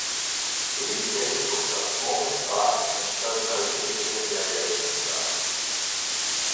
These denticles are small in size and show no significant variation in size.